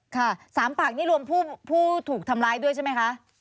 ค่ะ๓ปากนี่รวมผู้ถูกทำร้ายด้วยใช่ไหมคะ